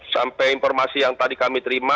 sampai informasi yang tadi kami terima